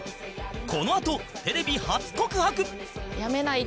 このあとテレビ初告白